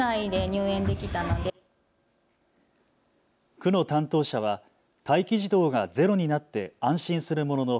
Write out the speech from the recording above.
区の担当者は待機児童がゼロになって安心するものの